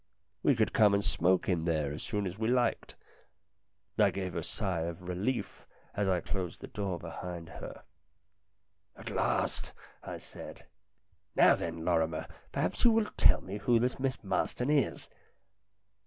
We could come and smoke in there as soon as we liked. I gave a sigh of relief as I closed the door behind her. LINDA 281 "At last!" I said. "Now, then, Lorrimer, perhaps you will tell me who this Miss Marston is?"